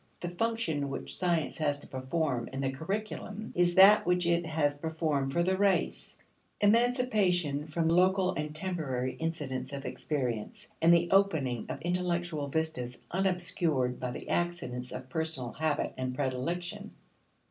The function which science has to perform in the curriculum is that which it has performed for the race: emancipation from local and temporary incidents of experience, and the opening of intellectual vistas unobscured by the accidents of personal habit and predilection.